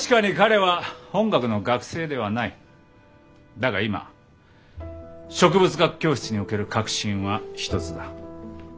だが今植物学教室における核心は一つだ。